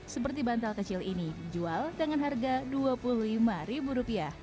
seperti bantal kecil ini dijual dengan harga rp dua puluh lima